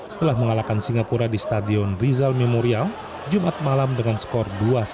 setelah mengalahkan singapura di stadion rizal memorial jumat malam dengan skor dua satu